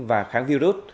và kháng virus